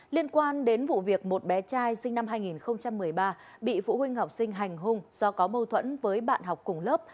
liên quan đến vụ việc một bé trai sinh năm hai nghìn một mươi ba bị phụ huynh học sinh hành hung do có mâu thuẫn với bạn học cùng lớp